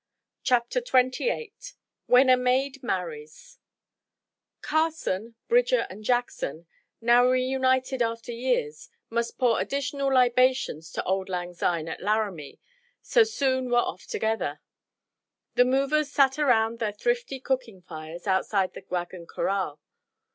CHAPTER XXVIII WHEN A MAID MARRIES Carson, Bridger and Jackson, now reunited after years, must pour additional libations to Auld Lang Syne at Laramie, so soon were off together. The movers sat around their thrifty cooking fires outside the wagon corral.